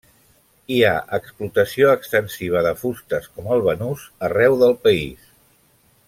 Hi ha explotació extensiva de fustes com el banús arreu del país.